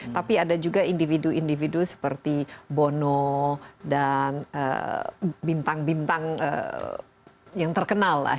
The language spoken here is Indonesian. tapi ada juga individu individu seperti bono dan bintang bintang yang terkenal lah